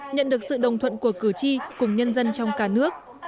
nhận được sự đồng thuận của cử tri cùng nhân dân trong cả nước